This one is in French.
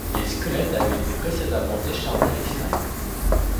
Les squelettes avaient été précédemment décharnés à l'extérieur.